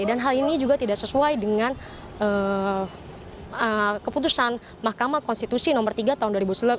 dan hal ini juga tidak sesuai dengan keputusan mahkamah konstitusi nomor tiga tahun dua ribu sepuluh